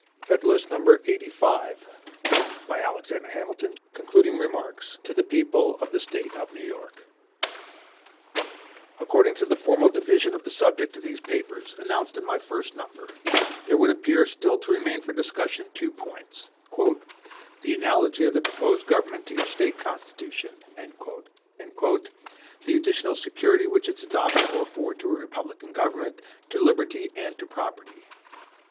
FEDERALIST No. 85 Concluding Remarks From MCLEAN's Edition, New York. Wednesday, May 28, 1788 HAMILTON To the People of the State of New York: ACCORDING to the formal division of the subject of these papers, announced in my first number, there would appear still to remain for discussion two points: "the analogy of the proposed government to your own State constitution," and "the additional security which its adoption will afford to republican government, to liberty, and to property."